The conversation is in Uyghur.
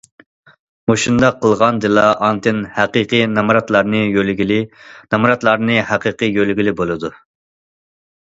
مۇشۇنداق قىلغاندىلا ئاندىن ھەقىقىي نامراتلارنى يۆلىگىلى، نامراتلارنى ھەقىقىي يۆلىگىلى بولىدۇ.